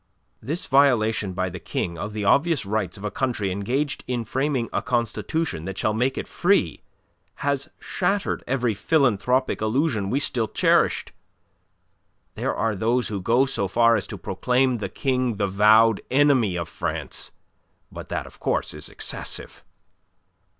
"This violation by the King of the obvious rights of a country engaged in framing a constitution that shall make it free has shattered every philanthropic illusion we still cherished. There are those who go so far as to proclaim the King the vowed enemy of France. But that, of course, is excessive."